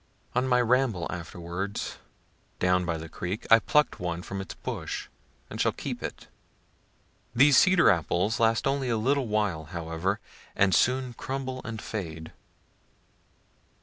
On my ramble afterward down by the creek I pluck'd one from its bush, and shall keep it. These cedar apples last only a little while however, and soon crumble and fade.